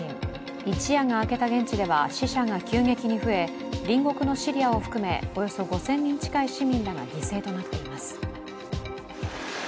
一夜が明けた現地では死者が急激に増え、隣国のシリアを含め、およそ５０００人近い市民らが犠牲となっています。